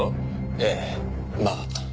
ええまあ。